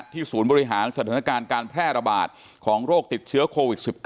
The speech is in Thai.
ศูนย์บริหารสถานการณ์การแพร่ระบาดของโรคติดเชื้อโควิด๑๙